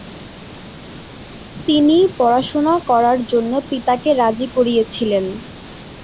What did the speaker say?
তিনি পড়াশোনা করার জন্য পিতাকে রাজি করিয়েছিলেন।